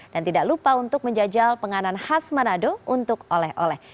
tidak lupa untuk menjajal penganan khas manado untuk oleh oleh